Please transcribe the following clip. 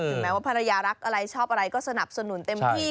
แม้ว่าภรรยารักอะไรชอบอะไรก็สนับสนุนเต็มที่